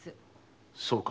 そうか。